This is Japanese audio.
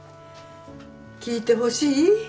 聞いてほしい？